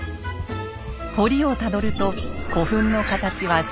堀をたどると古墳の形は四角形。